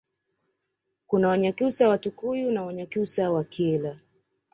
Kuna Wanyakyusa wa Tukuyu na Wanyakyusa wa Kyela